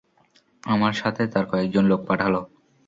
আমার সাথে তার কয়েকজন লোক পাঠাল।